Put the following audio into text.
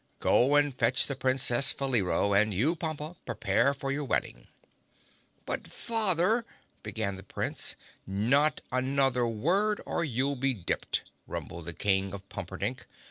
"Go and fetch the Princess Faleero and you, Pompa, prepare for your wedding." "But Father!" began the Prince. "Not another word or you'll be dipped!" rumbled the King of Pumperdink.